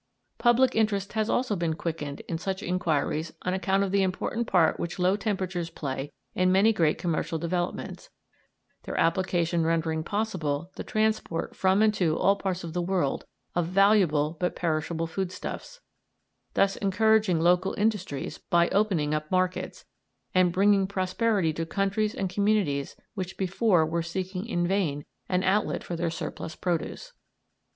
Public interest has also been quickened in such inquiries on account of the important part which low temperatures play in many great commercial developments, their application rendering possible the transport from and to all parts of the world of valuable but perishable foodstuffs, thus encouraging local industries by opening up markets, and bringing prosperity to countries and communities which before were seeking in vain an outlet for their surplus produce.